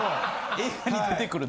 映画に出てくるね。